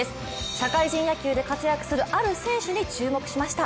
社会人野球で活躍するある選手に注目しました。